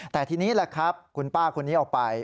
แต่ทีนี้แหละครับคุณป้าคนนี้ออกไป